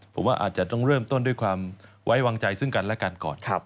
ผมว่าอาจจะต้องเริ่มต้นด้วยความไว้วางใจซึ่งกันและกันก่อน